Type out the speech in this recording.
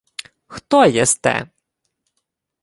— Хто єсте?